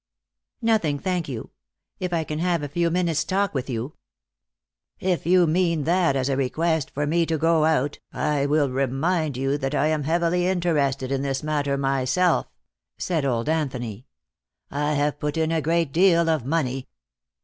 "Nothing, thank you. If I can have a few minutes' talk with you " "If you mean that as a request for me to go out, I will remind you that I am heavily interested in this matter myself," said old Anthony. "I have put in a great deal of money.